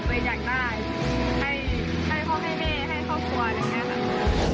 ให้พ่อให้เฮ่ให้ครอบครัวนะครับ